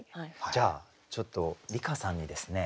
じゃあちょっと梨香さんにですね